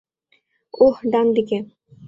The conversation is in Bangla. ওহ ডান দিকে!